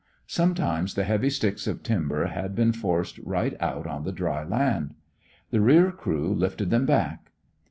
Sometimes the heavy sticks of timber had been forced right out on the dry land. The rear crew lifted them back.